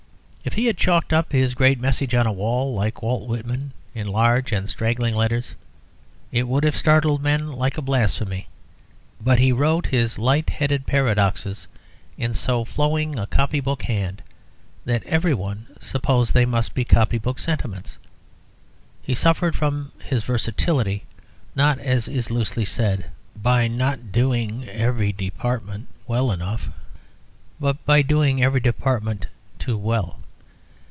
If he had chalked up his great message on a wall, like Walt Whitman, in large and straggling letters, it would have startled men like a blasphemy. But he wrote his light headed paradoxes in so flowing a copy book hand that everyone supposed they must be copy book sentiments. He suffered from his versatility, not, as is loosely said, by not doing every department well enough, but by doing every department too well.